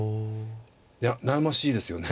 いや悩ましいですよね。